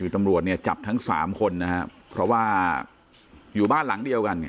ตำรวจเนี่ยจับทั้ง๓คนนะครับเพราะว่าอยู่บ้านหลังเดียวกัน